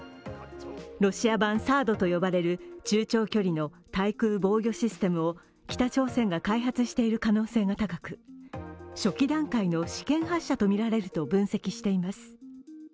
ロシア版ＴＨＡＡＤと呼ばれる中長距離の対空防衛システムを北朝鮮が開発している可能性が高く初期段階の試験発射とみられると分析しています。